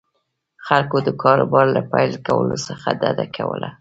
خلکو د کاروبار له پیل کولو څخه ډډه کوله.